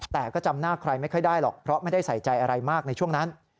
แต่ก็จำหน้าใครไม่ค่อยได้หรอกเพราะไม่ได้ใส่ใจอะไรมากในช่วงนั้น